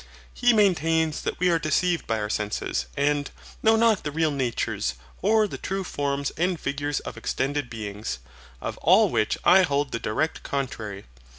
He maintains that we are deceived by our senses, and, know not the real natures or the true forms and figures of extended beings; of all which I hold the direct contrary.